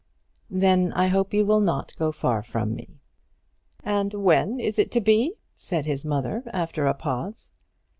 "Then I hope you will not go far from me." "And when is it to be?" said his mother, after a pause.